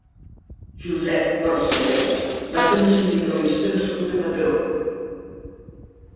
Josep Barceló va ser un sindicalista nascut a Mataró.